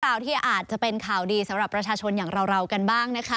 ข่าวที่อาจจะเป็นข่าวดีสำหรับประชาชนอย่างเรากันบ้างนะคะ